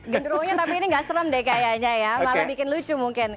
genrunya tapi ini nggak serem deh kayaknya ya malah bikin lucu mungkin